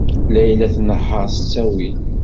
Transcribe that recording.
Layla tnehheṛ s ttawil.